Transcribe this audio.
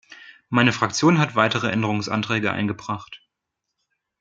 Meine Fraktion hat weitere Änderungsanträge eingebracht.